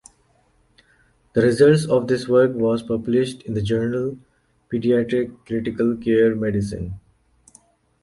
The results of this work was published in the journal "Pediatric Critical Care Medicine".